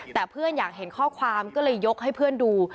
แต่เพื่อนอยากเห็นข้อความก็เลยยกให้เพื่อนดู